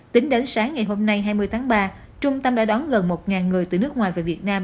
tính đến sáng ngày hôm nay hai mươi tháng ba trung tâm đã đón gần một người từ nước ngoài về việt nam